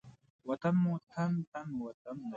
وطن مو تن، تن مو وطن دی.